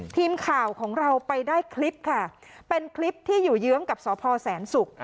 ทีมข่าวของเราไปได้คลิปค่ะเป็นคลิปที่อยู่เยื้องกับสพแสนศุกร์